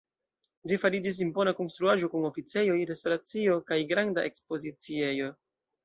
Ĝi fariĝis impona konstruaĵo kun oficejoj, restoracio kaj granda ekspoziciejo.